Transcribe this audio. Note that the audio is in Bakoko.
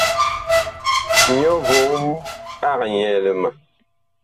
Nyɔ vom ag nyɛɛle ma.